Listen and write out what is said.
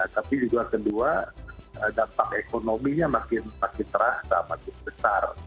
tapi juga kedua dampak ekonominya makin terasa makin besar